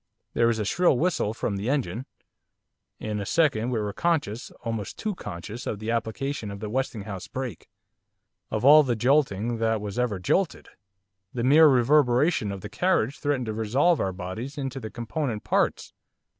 There was a shrill whistle from the engine. In a second we were conscious almost too conscious of the application of the Westinghouse brake. Of all the jolting that was ever jolted! the mere reverberation of the carriage threatened to resolve our bodies into their component parts.